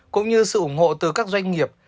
cũng như sự ủng hộ từ các doanh nghiệp